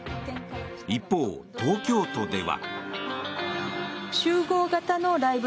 一方、東京都では。